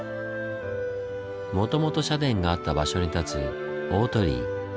もともと社殿があった場所に立つ大鳥居。